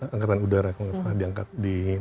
angkatan udara kalau tidak salah diangkat di riau